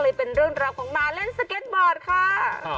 เป็นเรื่องราวของมาเล่นสเก็ตบอร์ดค่ะ